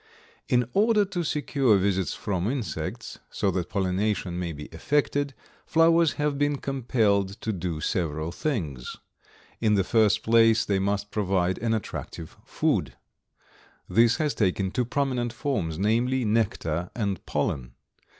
In order to secure visits from insects, so that pollination may be effected, flowers have been compelled to do several things. In the first place, they must provide an attractive food. This has taken two prominent forms, namely, nectar and pollen.